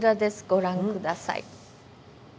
ご覧ください。